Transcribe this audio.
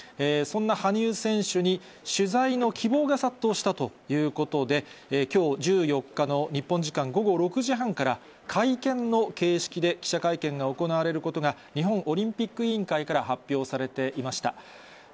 そんな羽生選手に、取材の希望が殺到したということで、きょう１４日の日本時間午後６時半から、会見の形式で記者会見が行われることが、日本オリンピック委員会から発表されていました。